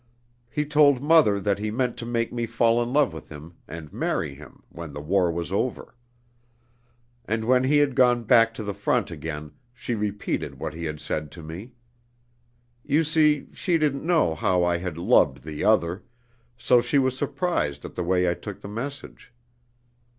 He told mother that he meant to make me fall in love with him and marry him when the war was over. And when he had gone back to the front again, she repeated what he had said to me. You see, she didn't know how I had loved the other, so she was surprised at the way I took the message.